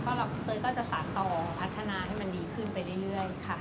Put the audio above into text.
เตยก็จะสารต่อพัฒนาให้มันดีขึ้นไปเรื่อยค่ะ